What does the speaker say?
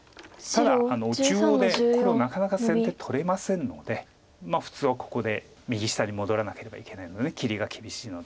ただ中央で黒なかなか先手取れませんので普通はここで右下に戻らなければいけないので切りが厳しいので。